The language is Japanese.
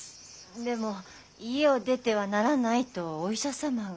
でも家を出てはならないとお医者様が。